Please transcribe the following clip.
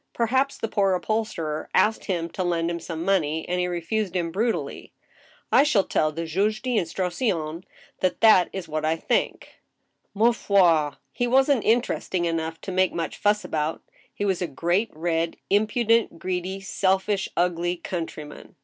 Perhaps the poor up holsterer asked him to lend him some money, and he refused him brutally. I shall tell the juge d* instruction that that is what I THE INDICTMENT DRA WN UP. 179 think. Ma foi^ he wasn't interesting enough td make much fuss about ; he was a g^cat red, impudent, greedy, selfish, ugly country man.